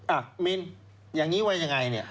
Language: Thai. อ่ะมินอย่างนี้ไว้อย่างไรเนี่ย